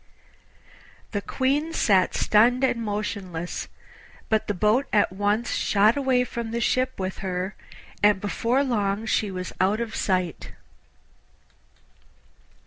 The Queen sat stunned and motionless, but the boat at once shot away from the ship with her, and before long she was out of sight.